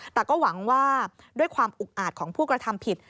แต่ก็หวังว่าด้วยความอุกอาจของผู้กระทำผิด